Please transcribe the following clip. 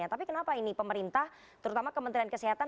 tapi kenapa ini pemerintah terutama kementerian kesehatan